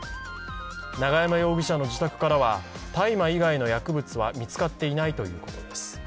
永山容疑者の自宅からは、大麻以外の薬物は見つかっていないということです。